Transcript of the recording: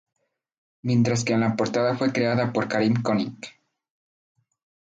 Mientras que la portada fue creada por Karim König.